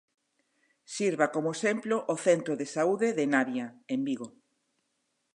Sirva como exemplo o centro de saúde de Navia, en Vigo.